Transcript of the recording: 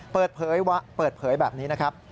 เปิดเผยวะเปิดเผยแบบนี้นะครับ